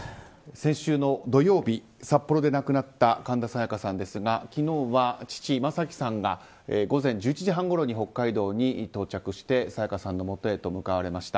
先週の土曜日、札幌で亡くなった神田沙也加さんですが昨日は父・正輝さんが午前１１時半ごろに北海道に到着して沙也加さんのもとへと向かわれました。